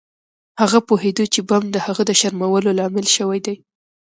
هغه پوهیده چې بم د هغه د شرمولو لامل شوی دی